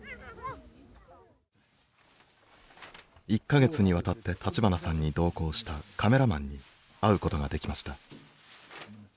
１か月にわたって立花さんに同行したカメラマンに会うことができました。